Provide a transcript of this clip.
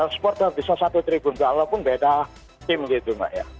suporter bisa satu tribun kalaupun beda tim gitu